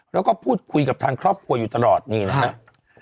แล้วก็พูดคุยกับทางครอบครัวอยู่ตลอดนี่นะครับ